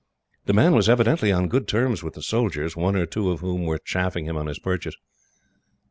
The man was evidently on good terms with the soldiers, one or two of whom were chaffing him on his purchase.